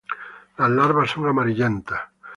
Las larvas son amarillentas..